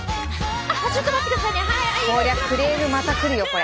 こりゃクレームまた来るよこれ。